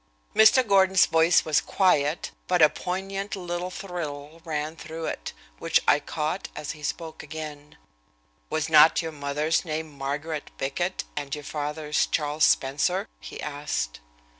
Mr. Gordon's voice was quiet, but a poignant little thrill ran through it, which I caught as he spoke again. "Was not your mother's name Margaret Bickett and your father's, Charles Spencer?" he asked.